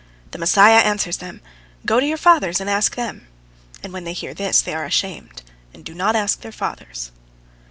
The Messiah answers them, "Go to your fathers and ask them"; and when they hear this, they are ashamed, and do not ask their fathers.